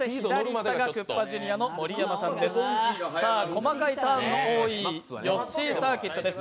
細かいターンの多いヨッシーサーキットです。